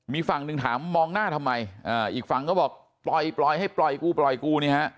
มีฝั่งหนึ่งถามมองหน้าทำไมอีกฝั่งก็บอกปล่อยปล่อยให้ปล่อยกูปล่อยกูนี่ฮะ